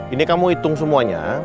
ini kamu hitung semuanya